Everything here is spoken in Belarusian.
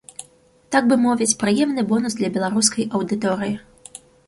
Так бы мовіць, прыемны бонус для беларускай аўдыторыі.